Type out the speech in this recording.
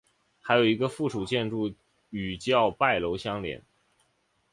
还有一个附属建筑与叫拜楼相连。